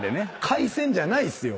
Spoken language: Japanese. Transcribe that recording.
回線じゃないっすよ。